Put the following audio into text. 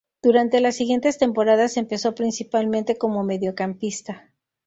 Durante las siguientes temporadas empezó principalmente como mediocampista.